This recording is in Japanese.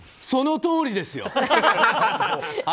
そのとおりですよ！